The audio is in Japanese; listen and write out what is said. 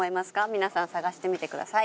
皆さん探してみてください。